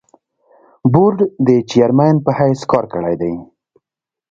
بورډ د چېرمين پۀ حېثيت کار کړے دے ۔